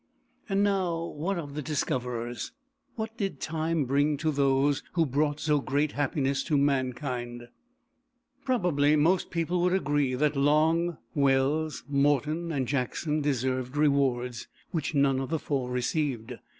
And now, what of the discoverers? What did time bring to those who brought so great happiness to mankind? Probably most people would agree that Long, Wells, Morton and Jackson deserved rewards, which none of the four received.